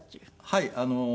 はい。